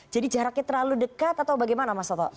jadi jaraknya terlalu dekat atau bagaimana mas datta masat